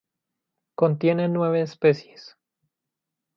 Contiene nueve especies